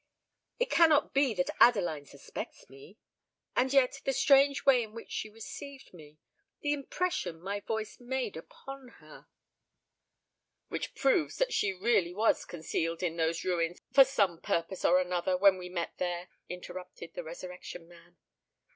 It cannot be that Adeline suspects me? And yet the strange way in which she received me—the impression my voice made upon her——" "Which proves that she really was concealed in those ruins, for some purpose or another, when we met there," interrupted the Resurrection Man.